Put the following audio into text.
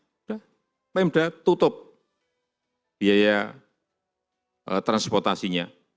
sudah pemda tutup biaya transportasinya